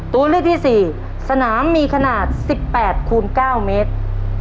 ตัวเลือกที่๔สนามมีขนาด๑๘คูณ๙เมตร